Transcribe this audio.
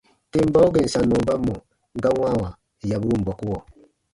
Tem bau gèn sannɔ ba mɔ̀ ga wãawa yaburun bɔkuɔ.